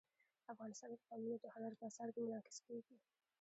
افغانستان کې قومونه د هنر په اثار کې منعکس کېږي.